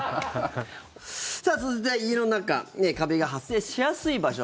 続いては家の中カビが発生しやすい場所。